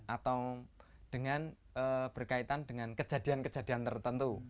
atau dengan berkaitan dengan kejadian kejadian tertentu